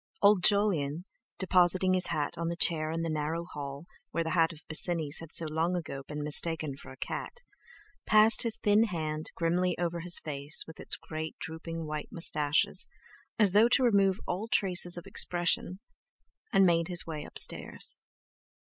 Old Jolyon, depositing his hat on the chair in the narrow hall, where that hat of Bosinney's had so long ago been mistaken for a cat, passed his thin hand grimly over his face with its great drooping white moustaches, as though to remove all traces of expression, and made his way upstairs.